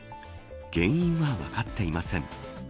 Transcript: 原因は分かっていません。